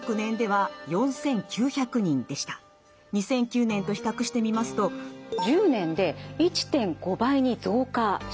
２００９年と比較してみますと１０年で１．５倍に増加しています。